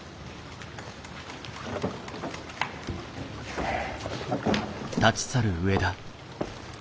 はあ。